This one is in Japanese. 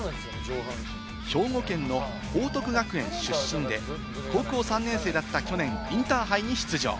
兵庫県の報徳学園出身で、高校３年生だった去年、インターハイに出場。